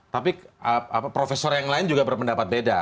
tapi profesor yang lain juga berpendapat beda